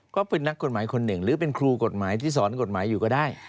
ก็เป็นนักกฎหมายคนหนึ่งหรือเป็นครูกฎหมายที่สอนกฎหมายอยู่ก็ได้